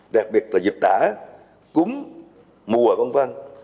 đặc biệt là dịch tả cúng mùa văn văn